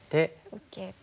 受けて。